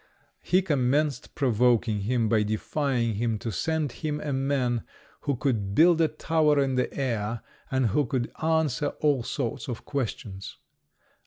He commenced provoking him by defying him to send him a man who could build a tower in the air, and who could answer all sorts of questions.